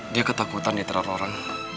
dia ketakutan diteror oran